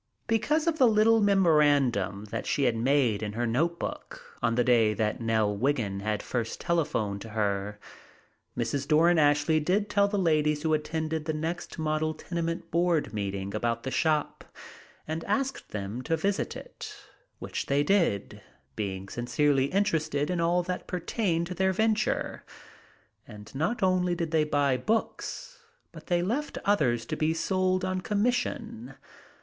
Because of the little memorandum that she had made in her note book on the day that Nell Wiggin had first telephoned to her, Mrs. Doran Ashley did tell the ladies who attended the next model tenement board meeting about the shop, and asked them to visit it, which they did, being sincerely interested in all that pertained to their venture. And not only did they buy books, but they left others to be sold on commission.